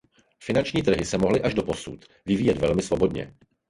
Finanční trhy se mohly až doposud vyvíjet velmi svobodně.